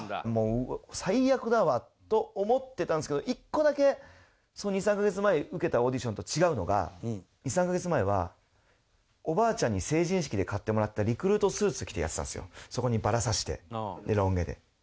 最悪だわと思ってたんですけど１個だけその２３カ月前に受けたオーディションと違うのが２３カ月前はおばあちゃんに成人式で買ってもらったリクルートスーツ着てやってたんですよ。